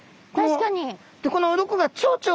確かに！